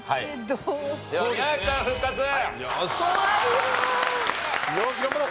よし頑張ろう！